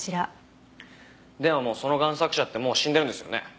でももうその贋作者ってもう死んでるんですよね？